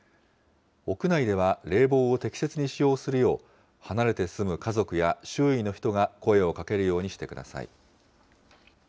屋内では冷房を適切に使用するよう、離れて住む家族や周囲の人が声をかけるようにしてください。